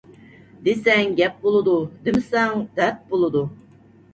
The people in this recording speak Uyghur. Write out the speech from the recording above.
دىسەڭ گەپ بولىدۇ، دىمىسەڭ دەرد بولىدۇ.